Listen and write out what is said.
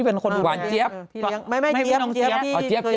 นางก็คือหวานเจี๊ยบ